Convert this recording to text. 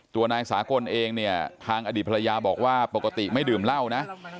ตัวนายสากลเองเนี่ยทางอดีตภรรยาบอกว่าปกติไม่ดื่มเหล้านะ